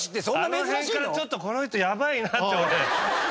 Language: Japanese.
あの辺からちょっとこの人やばいなって俺。